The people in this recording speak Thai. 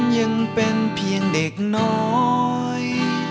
ยังเป็นเพียงเด็กน้อย